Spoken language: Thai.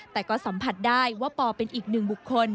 แต่ก็สัมผัสได้ว่าปอเป็นอีกหนึ่งบุคคล